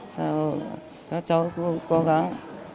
sau đó các cháu cũng cố gắng